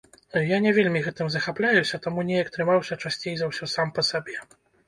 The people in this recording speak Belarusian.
Я не вельмі гэтым захапляюся, таму неяк трымаўся часцей за ўсё сам па сабе.